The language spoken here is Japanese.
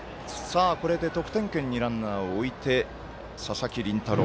これで得点圏にランナーを置いて佐々木麟太郎。